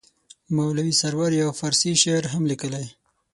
مولوي سرور یو فارسي شعر هم لیکلی.